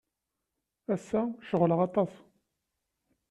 Ass-a, ceɣleɣ aṭas.